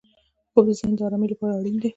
خوب د ذهن ارامۍ لپاره اړین دی